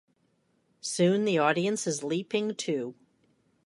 Soon the audience is leaping too.